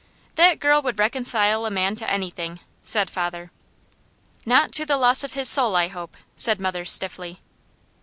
"That girl would reconcile a man to anything," said father. "Not to the loss of his soul, I hope," said mother stiffly.